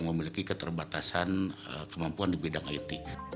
memiliki keterbatasan kemampuan di bidang it